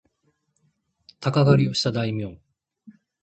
鷹狩をした大名